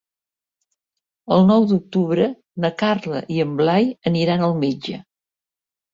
El nou d'octubre na Carla i en Blai aniran al metge.